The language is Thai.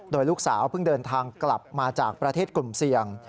โดยลูกสาวเพิ่งเดินทางกลับมาจากประเทศกลุ่มเสี่ยง